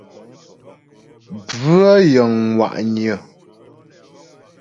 Bvə̂ yəŋ ŋwà'nyə̀.